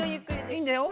いいんだよ。